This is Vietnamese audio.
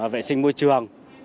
vệ sinh môi trường